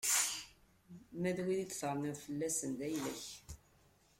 Ma d wid i d-terniḍ fell-asen, d ayla-k.